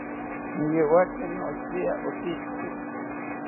Niyowaki noshiya otishiki